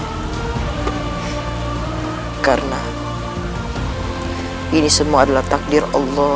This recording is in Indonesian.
hai karena ini semua adalah takdir allah